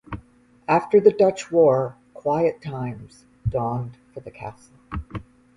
After the Dutch War quiet times dawned for the castle.